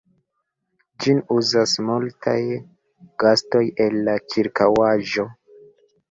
Ĝin uzas multaj gastoj el la ĉirkaŭaĵo.